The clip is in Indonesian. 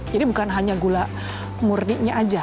jadi bukan hanya gula murninya saja